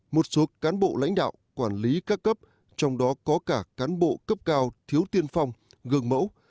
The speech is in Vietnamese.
một số cán bộ lãnh đạo quản lý các cấp trong đó có cả cán bộ cấp cao thiếu tiên phong gương mẫu